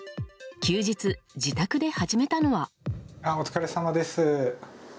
休日自宅で始めたのは。